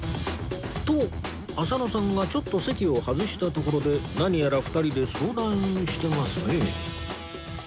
と浅野さんがちょっと席を外したところで何やら２人で相談してますね